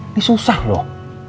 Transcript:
ini susah loh